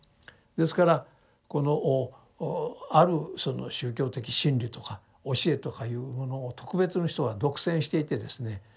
ですからこのあるその宗教的真理とか教えとかいうものを特別の人が独占していてですね